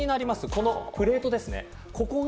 このプレートです。